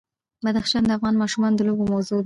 بدخشان د افغان ماشومانو د لوبو موضوع ده.